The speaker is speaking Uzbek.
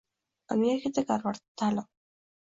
Amerikada Garvardda talim